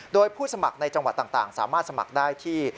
โดยผู้สมัครในจังหวัดต่างสามารถสมัครได้ที่